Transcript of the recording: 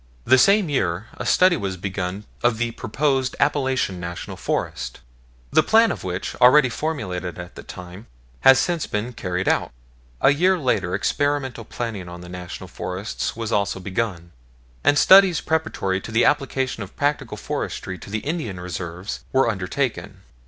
The same year a study was begun of the proposed Appalachian National Forest, the plan of which, already formulated at that time, has since been carried out. A year later experimental planting on the National Forests was also begun, and studies preparatory to the application of practical forestry to the Indian Reservations were undertaken.